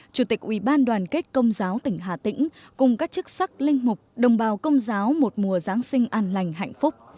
chủ tịch ủy ban đoàn kết công giáo tỉnh hà tĩnh cùng các chức sắc linh mục đồng bào công giáo một mùa giáng sinh an lành hạnh phúc